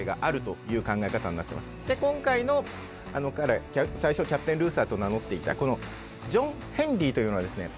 で今回のあの彼最初キャプテン・ルーサーと名乗っていたこのジョン・ヘンリーというのはですね